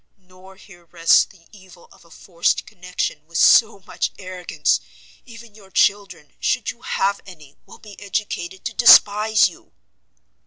nor here rests the evil of a forced connection with so much arrogance, even your children, should you have any, will be educated to despise you!"